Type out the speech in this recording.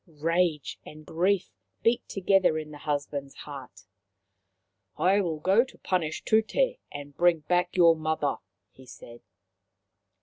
Rage and grief beat together in the husband's heart. " I go to punish Tute and bring back your mother/ ' he said.